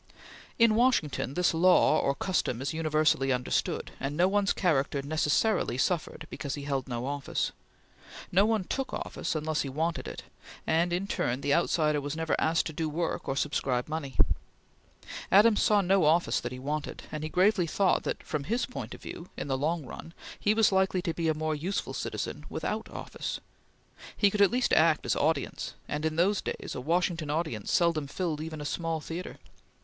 In Washington this law or custom is universally understood, and no one's character necessarily suffered because he held no office. No one took office unless he wanted it; and in turn the outsider was never asked to do work or subscribe money. Adams saw no office that he wanted, and he gravely thought that, from his point of view, in the long run, he was likely to be a more useful citizen without office. He could at least act as audience, and, in those days, a Washington audience seldom filled even a small theatre.